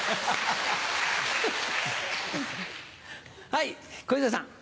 はい小遊三さん。